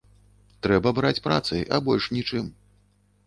Трэба браць працай, а больш нічым.